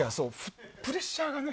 プレッシャーがね。